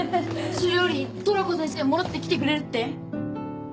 それよりトラコ先生戻って来てくれるって？